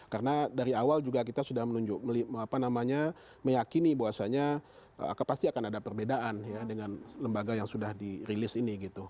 karena dari awal juga kita sudah menunjuk apa namanya meyakini bahwasanya pasti akan ada perbedaan ya dengan lembaga yang sudah dirilis ini gitu